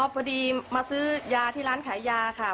พอดีมาซื้อยาที่ร้านขายยาค่ะ